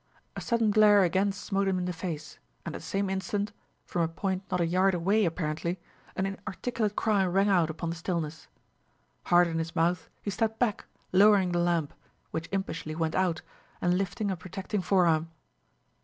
A sudden glare again smote him in the face, and at the same instant, from a point not a yard away, apparently, an inarticulate cry rang out upon the stillness. Heart in his mouth, he stepped back, lowering the lamp (which impishly went out) and lifting a protecting forearm.